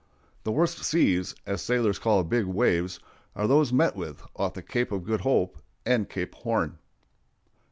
The worst "seas," as sailors call big waves, are those met with off the Cape of Good Hope and Cape Horn.